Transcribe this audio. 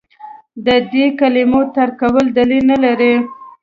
د دې کلمو ترک کول دلیل نه لري.